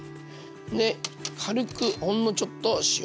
で軽くほんのちょっと塩。